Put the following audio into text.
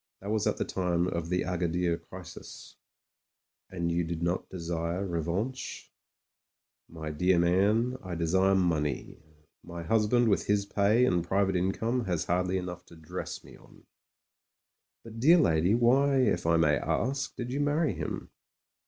That was at the time of the Agadir crisis." "And you do not desire revanche?" "My dear man, I desire money. My husband with his pay and private income has hardly enough to dress me on." "But, dear lady, why, if I may ask, did you marry him